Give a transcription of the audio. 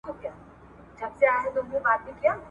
په مطبوعاتو کي رپوټونه ..